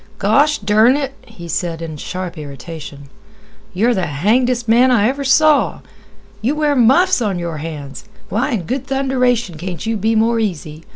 "Gosh dern it!" he said in sharp irritation; "you're the hangdest man I ever saw! You wear muffs on your hands. Why in good thunderation can't you be more easy?